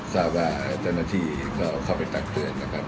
ทราบว่าเจ้าหน้าที่ก็เข้าไปตักเตือนนะครับ